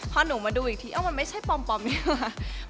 พอหนูมาดูอีกทีมันไม่ใช่ปลอมนี่เหรอ